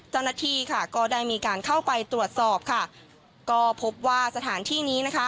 เจ้าหน้าที่ค่ะก็ได้มีการเข้าไปตรวจสอบค่ะก็พบว่าสถานที่นี้นะคะ